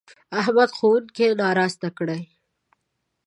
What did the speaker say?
احمد ښوونځی ناراسته کړی.